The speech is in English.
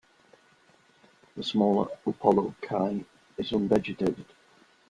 The smaller Upolu Cay is un-vegetated.